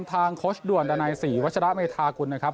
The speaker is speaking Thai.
ทางโคชด่วนดันไหนสี่วัชระเมธากุลนะครับ